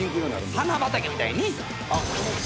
花畑みたいにね。